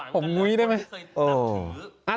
ผมนุ้ยได้มั้ย